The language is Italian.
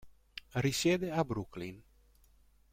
Risiede a Brooklyn.